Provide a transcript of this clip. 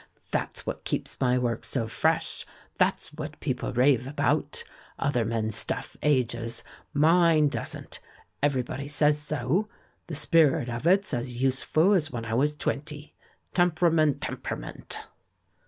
That's what keeps my work so fresh, that's what people rave about. Other men's stuff ages ; mine doesn't — everybody says so — the spirit of it's as youth ful as when I was twent}^ Temperament — tem perament!"